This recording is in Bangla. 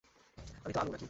আমিতো আলু, নাকি?